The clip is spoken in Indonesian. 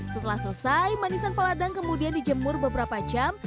setelah selesai manisan peladang kemudian dijemur beberapa jam